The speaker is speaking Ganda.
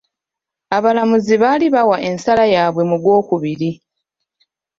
Abalamuzi baali bawa ensala yaabwe mu gw'okubiri.